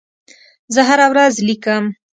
زه هره ورځ لیکم.